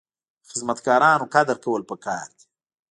د خدمتګارانو قدر کول پکار دي.